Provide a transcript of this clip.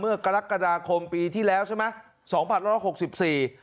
เมื่อกรกฎาคมปีที่แล้วใช่ไหมสองพันร้อยหกสิบสี่